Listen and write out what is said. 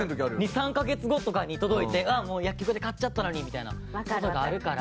２３カ月後とかに届いてもう薬局で買っちゃったのにみたいな事があるから。